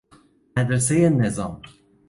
مدرسه نظام